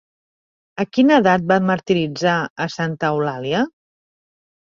A quina edat van martiritzar a Santa Eulàlia?